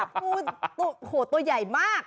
งูโหตัวใหญ่มาก